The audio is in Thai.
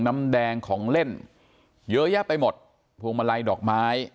น้ำแดงของเล่นเยอะแยะไปหมดพวงมาลัยดอกไม้